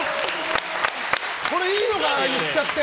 これいいのかな、言っちゃって。